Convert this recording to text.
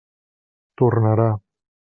Tornarà.